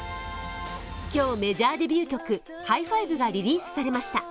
今日、メジャーデビュー曲「ハイファイブ」がリリースされました。